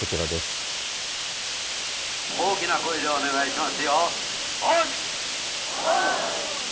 大きな声でお願いしますよ。